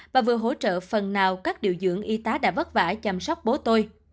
và vừa hỗ trợ phần nào các điều dưỡng y tá đã vất vả chăm sóc bố tôi